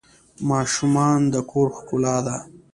ماشومان د کور ښکلا ده.